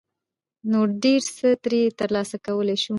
، نو ډېر څه ترې ترلاسه کولى شو.